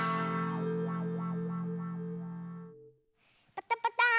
パタパター！